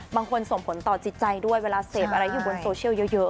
ส่งผลต่อจิตใจด้วยเวลาเสพอะไรอยู่บนโซเชียลเยอะ